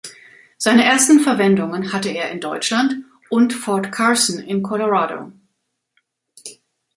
Seine ersten Verwendungen hatte er in Deutschland und Fort Carson in Colorado.